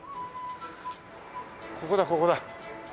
ここだここだ。